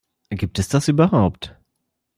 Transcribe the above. Gibt es das überhaupt?